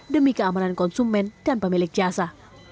demi keamanan konsumen dan pemilik jasa